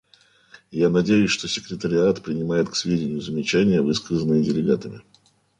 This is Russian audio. Я надеюсь, что секретариат принимает к сведению замечания, высказанные делегатами.